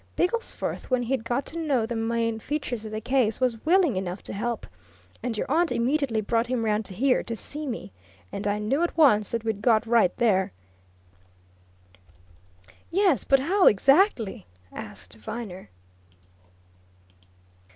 Bigglesforth, when he'd got to know the main features of the case, was willing enough to help, and your aunt immediately brought him round here to see me. And I knew at once that we'd got right there!" "Yes but how, exactly?" asked Viner.